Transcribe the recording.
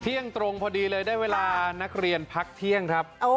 เที่ยงตรงพอดีเลยได้เวลานักเรียนพักเที่ยงครับ